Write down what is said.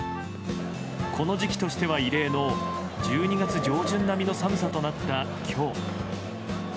この時期としては異例の１２月上旬並みの寒さとなった今日。